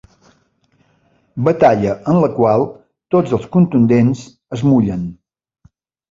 Batalla en la qual tots els contendents es mullen.